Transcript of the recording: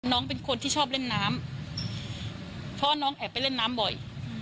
น้องเป็นคนที่ชอบเล่นน้ำเพราะน้องแอบไปเล่นน้ำบ่อย